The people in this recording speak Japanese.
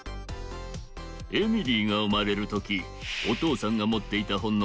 エミリーがうまれるときおとうさんがもっていたほんの